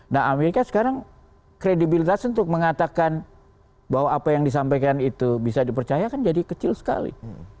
nah amerika sekarang kredibilitas untuk mengatakan bahwa apa yang disampaikan itu bisa dipercaya kan jadi kecil sekali